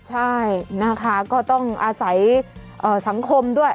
ใช่นะคะก็ต้องอาศัยสังคมด้วย